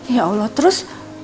ya allah terus